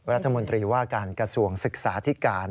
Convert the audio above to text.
รัฐมนตรีว่าการกระทรวงศึกษาธิการ